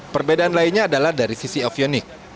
perbedaan lainnya adalah dari sisi ovionik